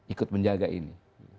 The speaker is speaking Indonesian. ikut menjaga ini